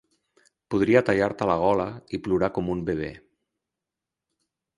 Podria tallar-te la gola i plorar com un bebè.